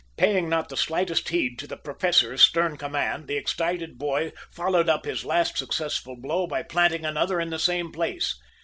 Paying not the slightest heed to the Professor's stern command, the excited boy followed up his last successful blow by planting another in the same place.